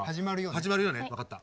「始まるよ」ね分かった。